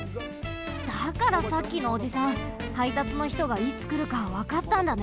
だからさっきのおじさんはいたつのひとがいつくるかわかったんだね。